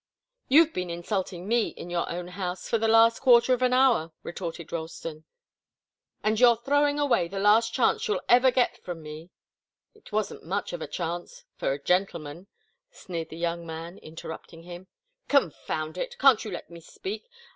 "You've been insulting me in your own house for the last quarter of an hour," retorted Ralston. "And you're throwing away the last chance you'll ever get from me " "It wasn't much of a chance for a gentleman," sneered the young man, interrupting him. "Confound it! Can't you let me speak?